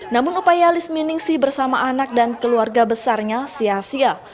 namun upaya lis miningsih bersama anak dan keluarga besarnya sia sia